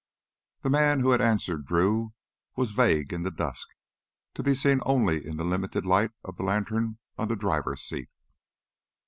The man who had answered Drew was vague in the dusk, to be seen only in the limited light of the lantern on the driver's seat.